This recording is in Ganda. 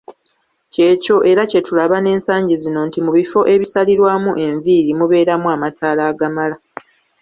Ky’ekyo era kye tulaba n’ensangi zino nti mu bifo ebisalirwamu enviiri mubeeramu amataala agamala.